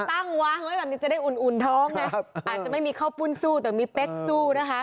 ตั้งวางไว้แบบนี้จะได้อุ่นท้องไงอาจจะไม่มีข้าวปุ้นสู้แต่มีเป๊กสู้นะคะ